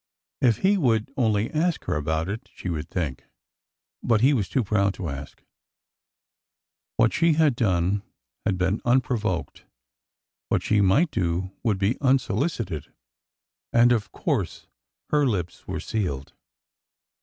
If he would only ask her about it ! she would think. But he was too proud to ask. What she had done had been unprovoked; what she might do would be unsolicited. And of course her lips were sealed.